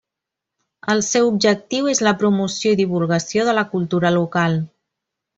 El seu objectiu és la promoció i divulgació de la cultura local.